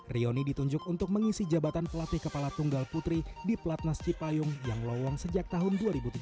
rioni ditunjuk untuk mengisi jabatan pelatih kepala tunggal putri di platnas cipayung yang lowong sejak tahun dua ribu tujuh belas